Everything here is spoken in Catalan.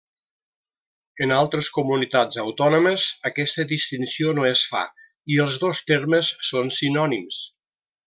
En altres comunitats autònomes aquesta distinció no es fa i els dos termes són sinònims.